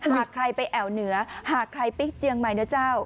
หากใครไปแอวเหนือหากใครปิ๊กเจียงใหม่นะเจ้า